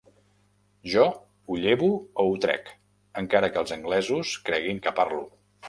Jo ho llevo o ho trec, encara que els anglesos creguin que parlo.